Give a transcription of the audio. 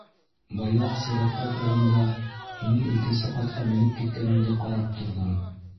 Бая сиратта торғанда һинең икенсе ҡатҡа менеп киткәнеңде ҡарап торҙом.